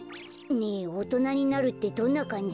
ねえおとなになるってどんなかんじ？